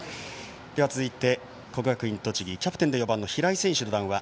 続いて、国学院栃木キャプテンで４番の平井選手の談話